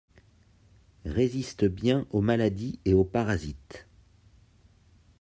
Résiste bien aux maladies et aux parasites.